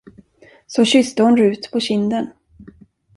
Så kysste hon Rut på kinden.